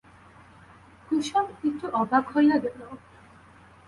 কুসুম একটু অবাক হইয়া গেল।